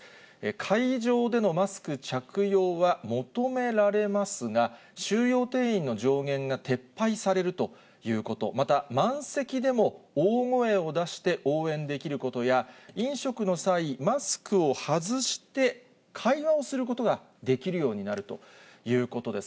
会場でのマスク着用は求められますが、収容定員の上限が撤廃されるということ、また、満席でも大声を出して応援できることや、飲食の際、マスクを外して会話をすることができるようになるということです。